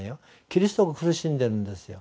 キリストが苦しんでるんですよ。